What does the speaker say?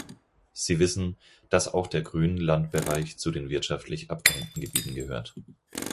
Sie wissen, dass auch der Grünlandbereich zu den wirtschaftlich abgehängten Gebieten gehört.